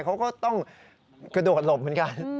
เขาก็ต้องกระโดดหลบเหมือนกัน